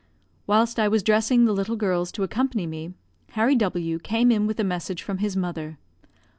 Whilst I was dressing the little girls to accompany me, Harry W came in with a message from his mother.